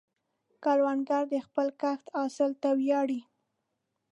کروندګر د خپل کښت حاصل ته ویاړي